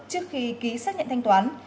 trước khi ký xác nhận thanh toán